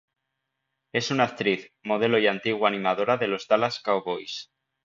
Es una actriz, modelo y antigua animadora de los Dallas Cowboys.